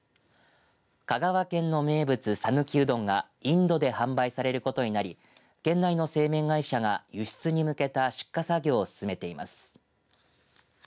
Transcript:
香川県の名物、讃岐うどんがインドで販売されることになり県内の製麺会社が輸出に向けた出荷作業を進めています。